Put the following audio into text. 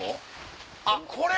あっこれ？